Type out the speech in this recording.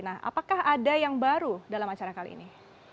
nah apakah ada yang baru dalam acara kali ini